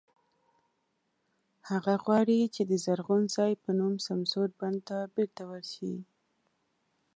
هغه غواړي چې د "زرغون ځای" په نوم سمسور بڼ ته بېرته ورشي.